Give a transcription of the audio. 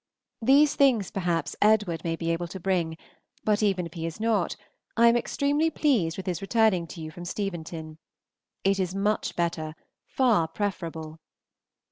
These things, perhaps, Edwd. may be able to bring, but even if he is not, I am extremely pleased with his returning to you from Steventon. It is much better, far preferable.